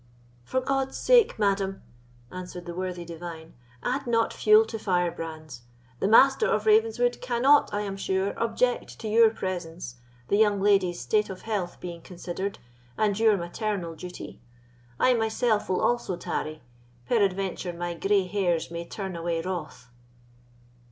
"For God's sake, madam," answered the worthy divine, "add not fuel to firebrands. The Master of Ravenswood cannot, I am sure, object to your presence, the young lady's state of health being considered, and your maternal duty. I myself will also tarry; peradventure my grey hairs may turn away wrath."